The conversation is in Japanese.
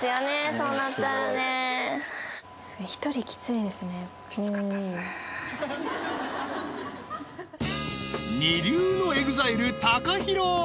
そうなったらね二流のＥＸＩＬＥＴＡＫＡＨＩＲＯ